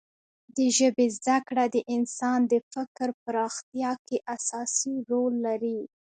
د ژبې زده کړه د انسان د فکر پراختیا کې اساسي رول لري.